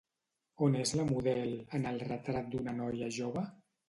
On és la model en el Retrat d'una noia jove?